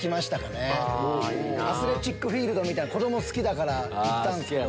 アスレチックフィールド子供好きだから行ったんです。